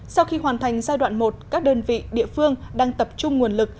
sau khi hoàn thành giai đoạn một các đơn vị địa phương đang tập trung nguồn lực